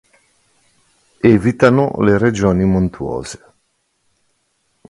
Evitano le regioni montuose.